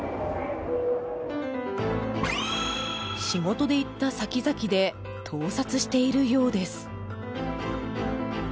仕事で行った先々で盗撮しているようです。